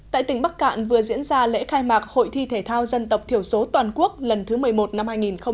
tại tỉnh bắc cạn vừa diễn ra lễ khai mạc hội thi thể thao dân tộc thiểu số toàn quốc lần thứ một mươi một năm hai nghìn một mươi chín